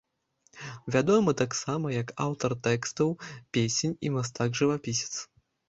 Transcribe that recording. Вядомы таксама як аўтар тэкстаў песень і мастак-жывапісец.